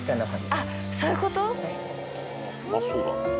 あっそういうこと？